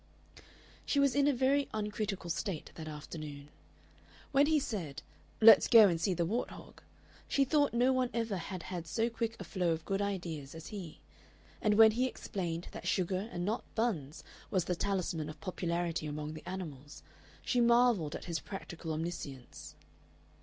She was in a very uncritical state that afternoon. When he said, "Let's go and see the wart hog," she thought no one ever had had so quick a flow of good ideas as he; and when he explained that sugar and not buns was the talisman of popularity among the animals, she marvelled at his practical omniscience.